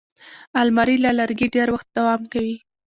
الماري له لرګي ډېر وخت دوام کوي